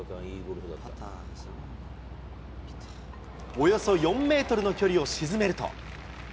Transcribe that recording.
およそ４メートルの距離を沈めると。